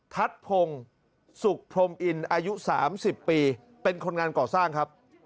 ทัศน์พงศ์สุขพรมอินอายุ๓๐ปีเป็นคนงานก่อสร้างครับ